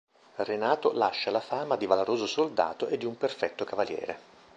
Renato lascia la fama di valoroso soldato e di un perfetto cavaliere.